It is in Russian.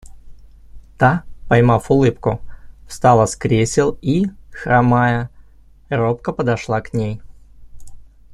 Та, поймав улыбку, встала с кресел и, хромая, робко подошла к ней.